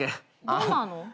どんなの？